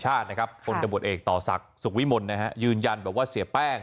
ชาตินะครับคนตำรวจเอกต่อศักดิ์สุขวิมลยืนยันว่าเสียแป้ง